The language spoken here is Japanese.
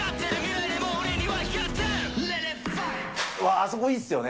あそこいいですよね。